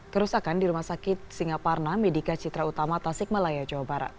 kerusakan di rumah sakit singaparna medika citra utama tasik malaya jawa barat